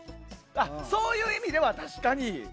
そういう意味では確かに。